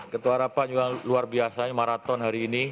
ketua harapan juga luar biasa marathon hari ini